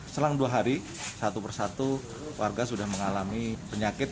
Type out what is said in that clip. selang dua hari satu persatu warga sudah mengalami penyakit